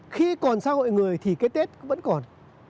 khi còn xã hội người thì cái tết vẫn còn